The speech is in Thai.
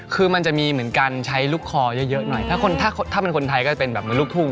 คือมันจะมีเหมือนกันใช้ลูกคอเยอะหน่อยถ้าคนถ้าเป็นคนไทยก็จะเป็นแบบเหมือนลูกทุ่ง